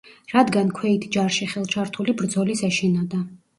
რადგან ქვეით ჯარში ხელჩართული ბრძოლის ეშინოდა.